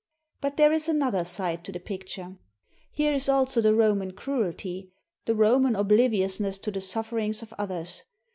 But there is another side to the picture. Here is also the Roman cruelty, the Roman oblivious ness to the sufferings of others.